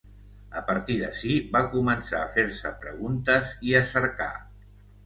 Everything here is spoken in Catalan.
A partir d’ací, va començar a fer-se preguntes i a cercar.